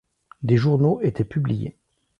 Des journaux étaient publiés.